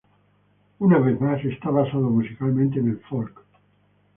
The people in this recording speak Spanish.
Una vez más, está basado musicalmente en el folk.